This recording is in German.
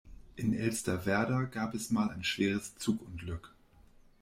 In Elsterwerda gab es mal ein schweres Zugunglück.